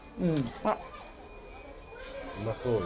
うまそうよ。